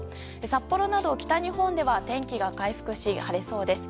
札幌など北日本では天気が回復し晴れそうです。